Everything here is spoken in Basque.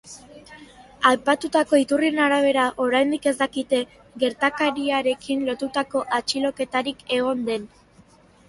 Aipatutako iturrien arabera, oraindik ez dakite gertakariarekin lotutako atxiloketarik egon den.